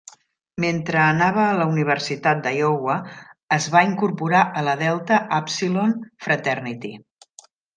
Mentre anava a la Universitat d'Iowa es va incorporar a la Delta Upsilon Fraternity.